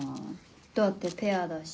だってペアだし。